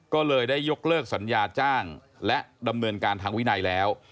ก็เลยได้ยกเลิกสัญญาจ้างและดำเนินการทางวินัยแล้ว